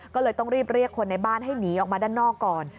ก็เลยต้องรีบเรียกคนในบ้านให้หนีออกมาด้านนอกก่อน